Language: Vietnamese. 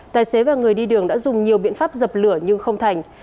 tài xế và người đi đường đã dùng nhiều biện pháp dập lửa nhưng không thành